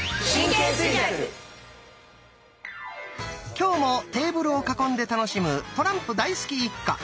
今日もテーブルを囲んで楽しむトランプ大好き一家。